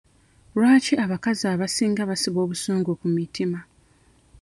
Lwaki abakazi abasinga basiba obusungu ku mitima?